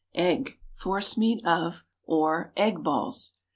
EGG, FORCEMEAT OF, OR EGG BALLS.